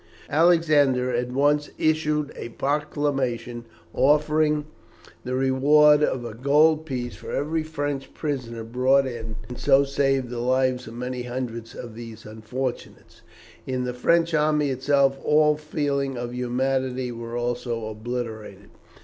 Alexander at once issued a proclamation offering the reward of a gold piece for every French prisoner brought in, and so saved the lives of many hundreds of these unfortunates. In the French army itself all feelings of humanity were also obliterated.